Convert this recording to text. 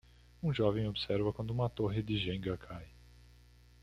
Um jovem observa quando uma torre de Jenga cai.